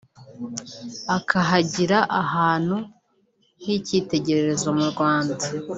akahagira ahantu h’icyitegererezo mu Rwanda